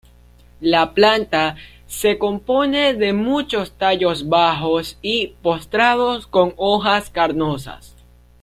La planta se compone de muchos tallos bajos y postrados con hojas carnosas.